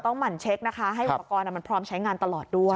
หมั่นเช็คนะคะให้อุปกรณ์มันพร้อมใช้งานตลอดด้วย